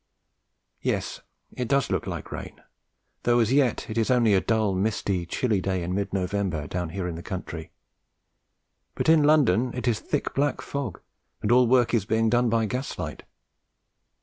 Yes, it does look like rain, though as yet it is only a dull, misty, chilly day in mid November down here in the country, but in London it is a thick black fog, and all work is being done by gaslight.